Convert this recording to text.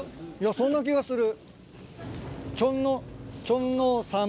そんな気がする。